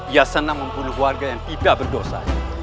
ya senang mempunyai warga yang tidak berdosa